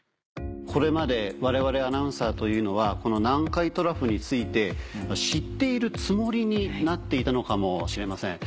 これまで我々アナウンサーというのはこの南海トラフについて知っているつもりになっていたのかもしれません。